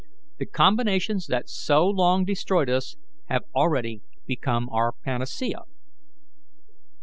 The combinations that so long destroyed us have already become our panacea."